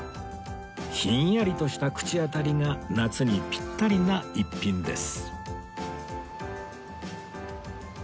ひんやりとした口当たりが夏にピッタリな一品です